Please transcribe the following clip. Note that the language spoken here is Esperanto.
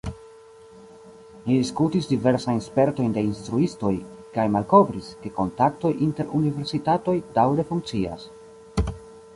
Ni diskutis diversajn spertojn de instruistoj, kaj malkovris, ke kontaktoj inter universitatoj daŭre funkcias.